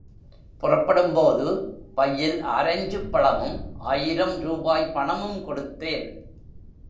புறப்படும்போது, பையில் ஆரஞ்சுப் பழமும், ஆயிரம் ரூபாய் பணமும் கொடுத்தேன்.